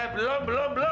belum belum belum